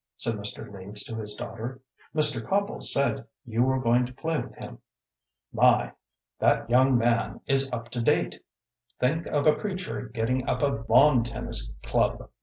said Mr. Leeds to his daughter. "Mr. Copple said you were going to play with him. My! that young man is up to date. Think of a preacher getting up a lawn tennis club!